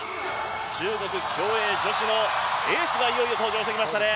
中国競泳女子のエースがいよいよ登場してきました。